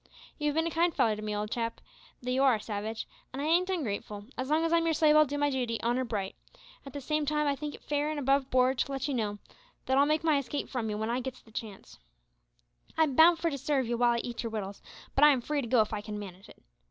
You've been a kind feller to me, old chap though you are a savage an' I ain't on grateful; as long as I'm your slave I'll do my duty `honour bright;' at the same time I think it fair an' above board to let you know that I'll make my escape from you when I git the chance. I'm bound for to sarve you while I eat your wittles, but I am free to go if I can manage it.